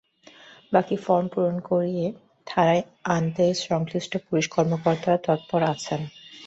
বাকি ফরম পূরণ করিয়ে থানায় আনতে সংশ্লিষ্ট পুলিশ কর্মকর্তারা তৎপর আছেন।